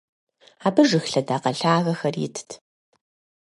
Абы жыг лъэдакъэ лъагэхэр итт.